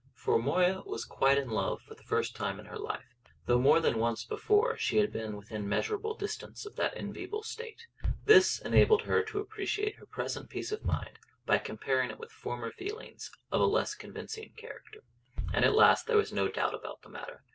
For Moya was quite in love for the first time in her life, though more than once before she had been within measurable distance of that enviable state. This enabled her to appreciate her present peace of mind by comparing it with former feelings of a less convincing character. And at last there was no doubt about the matter.